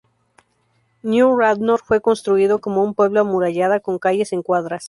New Radnor fue construido como un pueblo amurallada, con calles en cuadras.